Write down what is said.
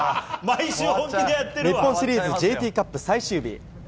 日本シリーズＪＴカップ最終日。